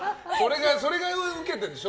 それがウケてるんでしょ。